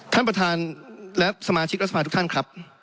ท่านประธานและสมาชิกรัฐสภาทุกท่านครับ